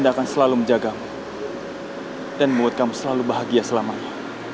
dan membuat kamu selalu bahagia selamanya